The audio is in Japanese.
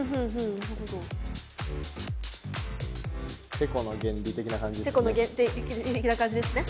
てこの原理的な感じですね？